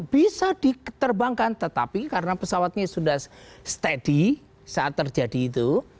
bisa diterbangkan tetapi karena pesawatnya sudah steady saat terjadi itu